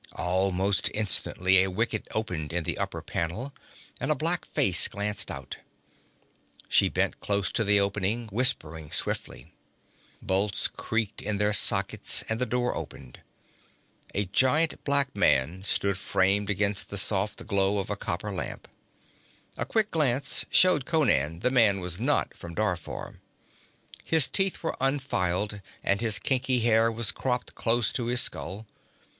Almost instantly a wicket opened in the upper panel, and a black face glanced out. She bent close to the opening, whispering swiftly. Bolts creaked in their sockets, and the door opened. A giant black man stood framed against the soft glow of a copper lamp. A quick glance showed Conan the man was not from Darfar. His teeth were unfiled and his kinky hair was cropped close to his skull.